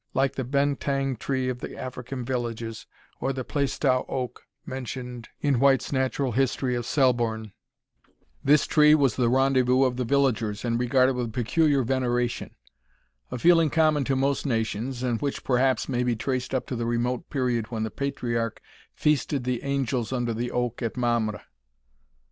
Like the Bentang tree of the African villages, or the Plaistow oak mentioned in White's Natural History of Selborne, this tree was the rendezvous of the villagers, and regarded with peculiar veneration; a feeling common to most nations, and which perhaps may be traced up to the remote period when the patriarch feasted the angels under the oak at Mamre.